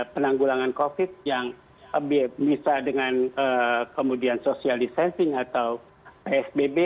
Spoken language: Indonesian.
penanggulangan covid yang bisa dengan kemudian social distancing atau psbb